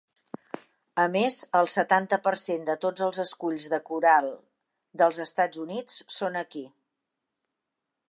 A més, el setanta per cent de tots els esculls de coral dels Estats Units són aquí.